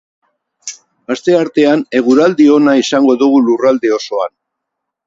Asteartean eguraldi ona izango dugu lurralde osoan.